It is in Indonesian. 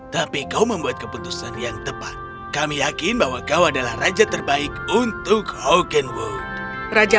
tapi kau membuat keputusan yang tepat kami yakin bahwa kau adalah raja terbaik untuk hawken world raja